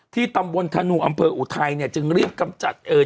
ที่ตำบลธนูอำเภออุทัยเนี่ยจึงรีบกำจัดเอ่อ